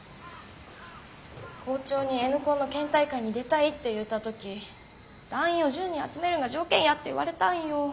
校長にＮコンの県大会に出たいって言うた時団員を１０人集めるんが条件やって言われたんよ。